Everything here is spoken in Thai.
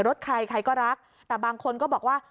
รถใครใครก็รักแต่บางคนก็บอกว่า